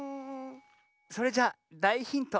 それじゃだいヒント。